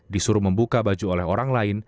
disuruh membuka baju oleh orang lain